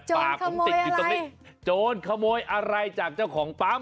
จนขโมยอะไรจนขโมยอะไรจากเจ้าของปั๊ม